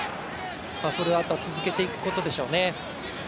それを、あとは続けていくことでしょうね。